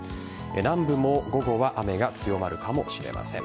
南部も午後は雨が強まるかもしれません。